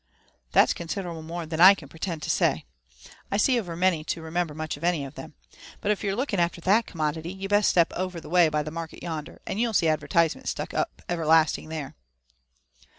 That's considerable more than I can pretend to say. I see over many to remember much of any of 'em. But if you're looking after that commodity, you'd best step over the way by the market younder, and yeu'U see advertisements stuck up e\ierlasting there."